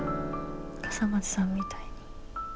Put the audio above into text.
笠松さんみたいに。